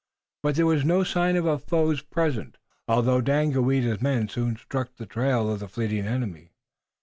But there was no sign of a foe's presence, although Daganoweda's men soon struck the trail of the fleeing enemy.